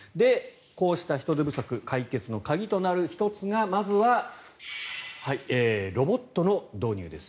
こうした人手不足解決の鍵となる１つがまずはロボットの導入です。